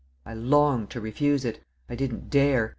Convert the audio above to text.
I longed to refuse it. I didn't dare.